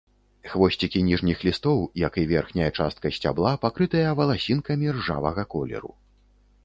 Хвосцікі ніжніх лістоў, як і верхняя частка сцябла, пакрытыя валасінкамі ржавага колеру.